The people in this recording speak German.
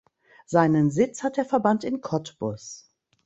Seinen Sitz hat der Verband in Cottbus.